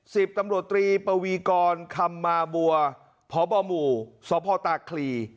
สิบตำรวจตรีปวีกรคำมาบัวพบหมู่สพตาคลี